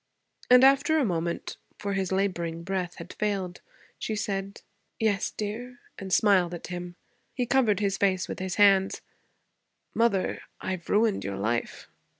And after a moment, for his laboring breath had failed, she said, 'Yes, dear?' and smiled at him. He covered his face with his hands. 'Mother, I've ruined your life.'